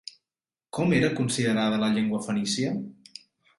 Com era considerada la llengua fenícia?